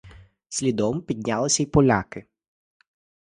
Слідом піднялися й поляки.